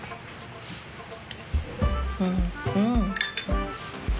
うんうん！